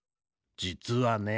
じつはね。